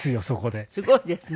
すごいですね。